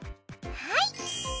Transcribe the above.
はい。